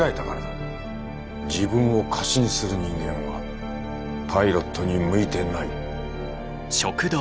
自分を過信する人間はパイロットに向いてない。